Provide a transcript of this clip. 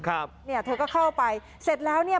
ครับเนี่ยเธอก็เข้าไปเสร็จแล้วเนี่ย